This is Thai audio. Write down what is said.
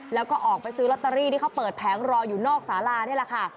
แล้วก็ออกไปซื้อลอตเตอรี่ที่เขาเปิดแผงรออยู่นอกสารานี่แหละค่ะ